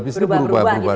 berubah ubah gitu ya pak